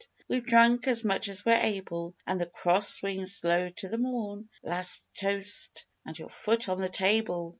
We've drunk as much as we're able, And the Cross swings low to the morn; Last toast and your foot on the table!